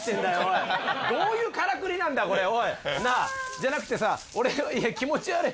じゃなくてさいや気持ち悪い。